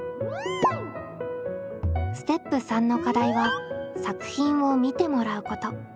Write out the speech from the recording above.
ステップ３の課題は「作品を見てもらう」こと。